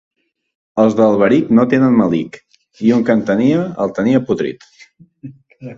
Els d'Alberic no tenen melic, i un que en tenia, el tenia podrit.